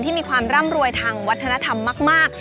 มีความร่ำรวยทางวัฒนธรรมมาก